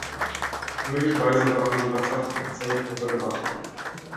Möglicherweise waren die Mannschaften in Zelten untergebracht.